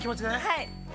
◆はい。